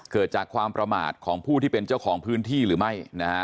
เกิดจากความประมาทของผู้ที่เป็นเจ้าของพื้นที่หรือไม่นะฮะ